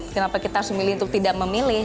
kenapa kita harus memilih untuk tidak memilih